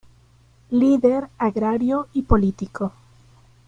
Líder agrario y político.